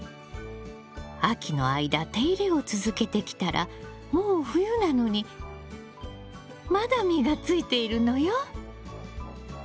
秋の間手入れを続けてきたらもう冬なのにまだ実がついているのよ。